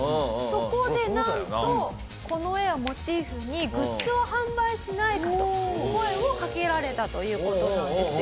そこでなんとこの絵をモチーフにグッズを販売しないかと声をかけられたという事なんですよ。